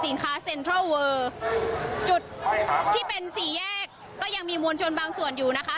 เซ็นทรัลเวอร์จุดที่เป็นสี่แยกก็ยังมีมวลชนบางส่วนอยู่นะคะ